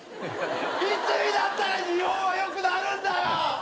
いつになったら日本はよくなるんだ！